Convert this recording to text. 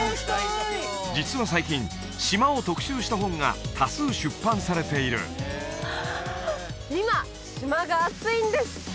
実は最近島を特集した本が多数出版されている今島がアツいんです！